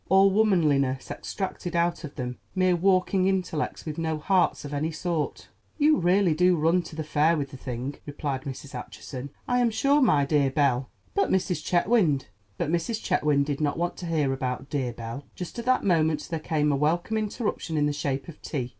All womanliness extracted out of them—mere walking intellects with no hearts of any sort." "You really do run to the fair with the thing," replied Mrs. Acheson. "I am sure my dear Belle——" But Mrs. Chetwynd did not want to hear about dear Belle. Just at that moment there came a welcome interruption in the shape of tea.